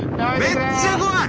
めっちゃ怖い！